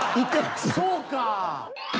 そうか。